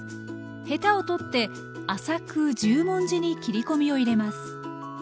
ヘタを取って浅く十文字に切り込みを入れます。